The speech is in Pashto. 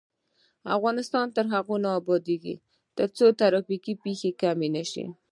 افغانستان تر هغو نه ابادیږي، ترڅو ترافیکي پیښې کمې نشي.